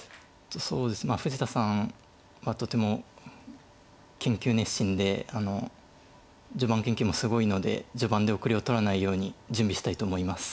富士田さんはとても研究熱心で序盤研究もすごいので序盤で後れを取らないように準備したいと思います。